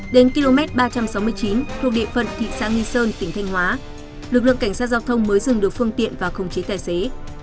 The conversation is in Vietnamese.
đến km ba trăm sáu mươi chín thuộc địa phận thị xã nghi sơn tỉnh thanh hóa lực lượng cảnh sát giao thông mới dừng được phương tiện và khống chế tài xế